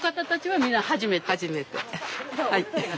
はい。